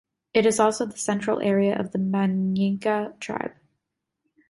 It is also the central area of the Manyika tribe.